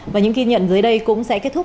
và những ghi nhận dưới đây cũng sẽ kết thúc